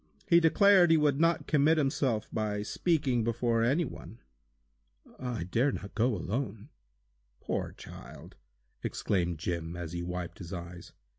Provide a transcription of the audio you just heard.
He declared he would not commit himself by speaking before any one." "I dare not go alone!" "Poor child!" exclaimed Jim, as he wiped his eyes.